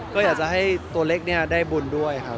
ก็อยากจะให้ตัวเล็กนี้ได้ฝรั่งด้วยครับ